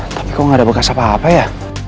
tapi kok gak ada bekas apa apa ya